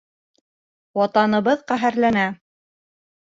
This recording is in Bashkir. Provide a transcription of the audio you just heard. Ватаныбыҙ ҡәһәрләнә.